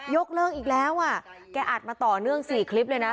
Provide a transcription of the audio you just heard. ยกเลิกอีกแล้วอ่ะแกอัดมาต่อเนื่อง๔คลิปเลยนะ